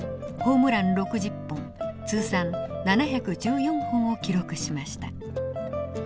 ホームラン６０本通算７１４本を記録しました。